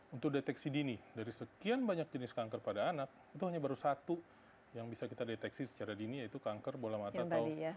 untuk deteksi dini dari sekian banyak jenis kanker pada anak itu hanya baru satu yang bisa kita deteksi secara dini yaitu kanker bola mata atau